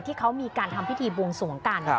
ที่เขามีการทำพิธีบวงสวงกัน